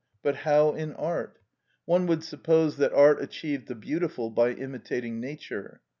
But how in art? One would suppose that art achieved the beautiful by imitating nature.